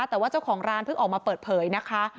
แต่ว่าเจ้าของร้านเพิ่งออกมาเปิดเผยนะคะ